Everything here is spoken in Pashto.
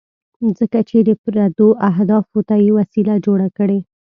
ځکه چې د پردو اهدافو ته یې وسیله جوړه کړې.